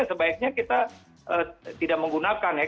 sebaiknya kita tidak menggunakan